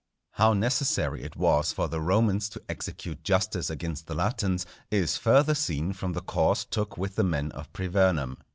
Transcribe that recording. How necessary it was for the Romans to execute Justice against the Latins, is further seen from the course took with the men of Privernum.